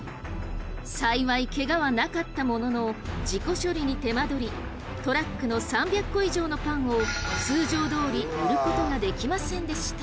幸いけがはなかったものの事故処理に手間取りトラックの３００個以上のパンを通常どおり売ることができませんでした。